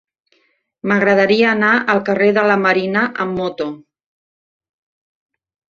M'agradaria anar al carrer de la Marina amb moto.